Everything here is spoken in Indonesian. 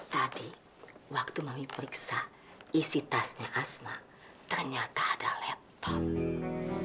tadi waktu mau periksa isi tasnya asma ternyata ada laptop